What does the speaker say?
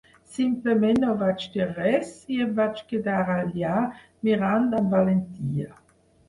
Simplement no vaig dir res i em vaig quedar allà mirant amb valentia.